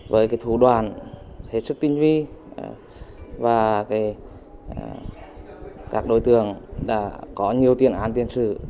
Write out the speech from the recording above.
với thủ đoàn hết sức tinh vi và các đối tượng đã có nhiều viên án tiến xử